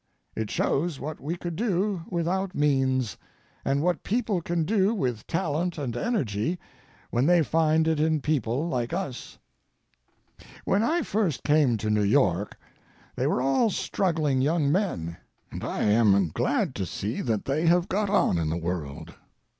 It shows what we could do without means, and what people can do with talent and energy when they find it in people like us. When I first came to New York they were all struggling young men, and I am glad to see that they have got on in the world.